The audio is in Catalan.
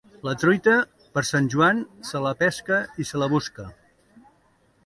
La truita per Sant Joan se la pesca i se la busca.